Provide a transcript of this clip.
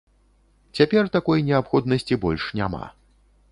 Цяпер такой неабходнасці больш няма.